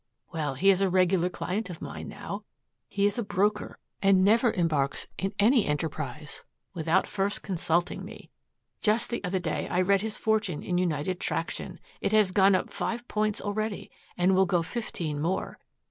Well, he is a regular client of mine, now. He is a broker and never embarks in any enterprise without first consulting me. Just the other day I read his fortune in United Traction. It has gone up five points already and will go fifteen more.